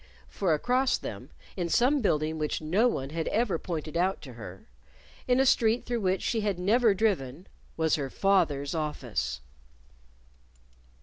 For across them, in some building which no one had ever pointed out to her, in a street through which she had never driven, was her father's office!